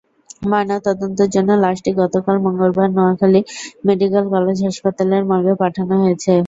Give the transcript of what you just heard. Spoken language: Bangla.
ময়নাতদন্তের জন্য লাশটি গতকাল মঙ্গলবার নোয়াখালী মেডিকেল কলেজ হাসপাতালের মর্গে পাঠানো হয়েছে।